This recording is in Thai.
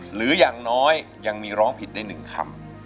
หรืออย่างน้อยยังมีร้องผิดได้๑คำ